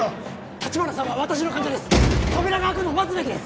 立花さんは私の患者です